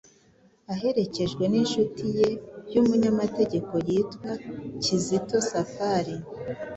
aherekejwe n'inshuti ye y'umunyamategeko yitwa Kizito Safari.